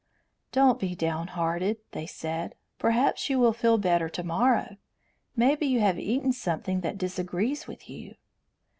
"Don't be downhearted," they said. "Perhaps you will feel better to morrow. Maybe you have eaten something that disagrees with you."